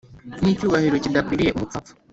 N icyubahiro kidakwiriye umupfapfa